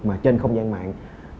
mà trên không gian mạng